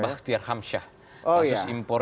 bakhtiar hamsyah kasus impor